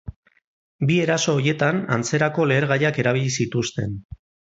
Bi eraso horietan antzerako lehergaiak erabili zituzten.